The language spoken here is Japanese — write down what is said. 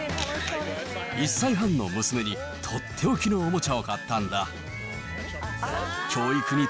１歳半の娘に取って置きのおもちゃを買ったんだ。